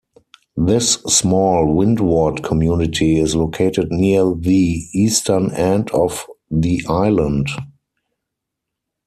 This small windward community is located near the eastern end of the island.